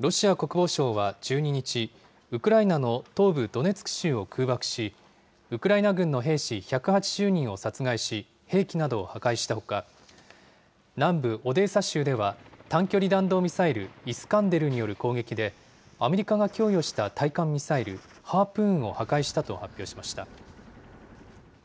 ロシア国防省は１２日、ウクライナの東部ドネツク州を空爆し、ウクライナ軍の兵士１８０人を殺害し、兵器などを破壊したほか、南部オデーサ州では短距離弾道ミサイル、イスカンデルによる攻撃で、アメリカが供与した対艦ミサイル、ハープーンを破壊したと発表しました。